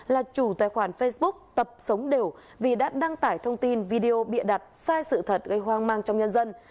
là chủ tài khoản facebook tập sống đều vì đã đăng tải thông tin video bịa đặt sai sự thật gây hoang mang trong nhân dân